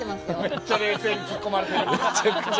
めっちゃ冷静に突っ込まれてる。